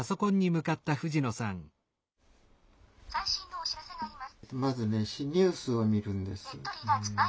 「最新のお知らせがあります」。